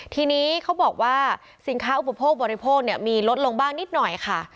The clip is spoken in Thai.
ทีนี้เขาบอกว่าสินค้าอุปโภคบริโภคมีลดลงบ้างนิดหน่อยค่ะ